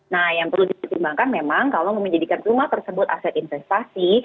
nah yang perlu dipertimbangkan memang kalau mau menjadikan rumah tersebut aset investasi